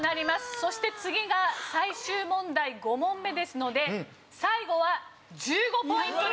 そして次が最終問題５問目ですので最後は１５ポイントになります！